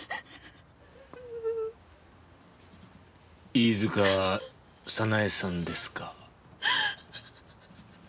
飯塚早苗さんですか？